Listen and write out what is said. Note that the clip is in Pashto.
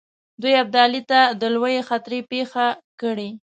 دوی ابدالي ته د لویې خطرې پېښه کړي.